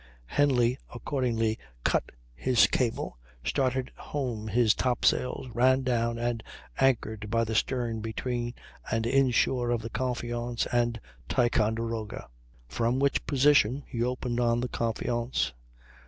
Henly accordingly cut his cable, started home his top sails, ran down, and anchored by the stern between and inshore of the Confiance and Ticonderoga, from which position he opened on the Confiance.